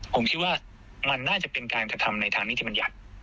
ผมคิดว่ามันน่าจะเป็นการกระทำในทางนิติบัญญัติ